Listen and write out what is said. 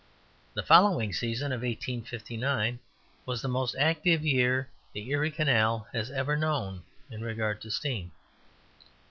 The following season of 1859 was the most active year the Erie Canal has ever known in regard to steam.